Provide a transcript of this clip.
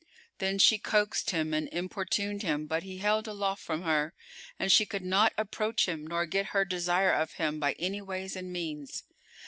Then she coaxed him and importuned him, but he held aloof from her, and she could not approach him nor get her desire of him by any ways and means.